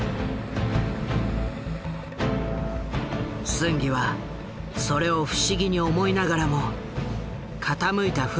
スンギはそれを不思議に思いながらも傾いた船に近づいてみた。